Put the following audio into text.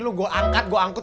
lu gua angkat gua angkut